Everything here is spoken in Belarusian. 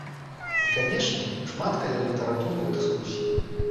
І, канечне, шмат калялітаратурных дыскусій.